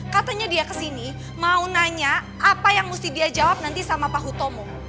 katanya dia ke sini mau nanya apa yang dia mesti jawab nanti sama pahu tomo